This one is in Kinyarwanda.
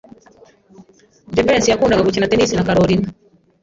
Jivency yakundaga gukina tennis na Kalorina.